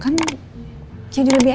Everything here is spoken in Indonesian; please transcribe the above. kan jadi lebih enak